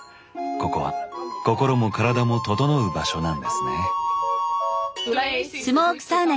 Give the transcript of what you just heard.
ここは心も体もととのう場所なんですね。